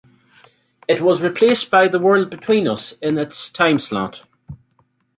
It was replaced by "The World Between Us" in its timeslot.